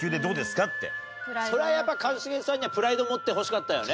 それはやっぱ一茂さんにはプライド持ってほしかったよね。